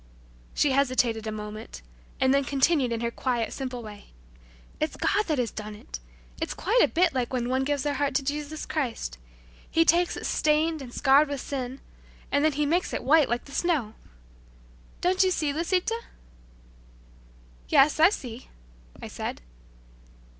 She hesitated a moment, and then continued in her quiet, simple way. "It's God that has done it! It's quite a bit like when one gives their heart to Jesus Christ. He takes it stained and scarred with sin, and then He makes it white like the snow. Don't you see, Lisita?" "Yes, I see," I said.